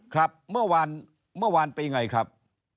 ครับเมื่อวานไปอย่างไรครับ